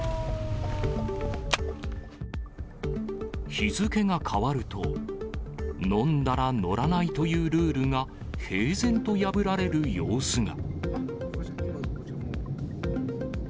日付が変わると、飲んだら乗らないというルールが、平然と破られる様子が。